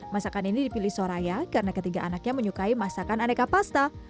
masakan ini dipilih soraya karena ketiga anaknya menyukai masakan aneka pasta